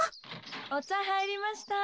・おちゃはいりました。